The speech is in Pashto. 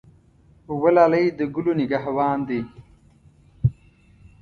وه لالی د ګلو نګه وان دی.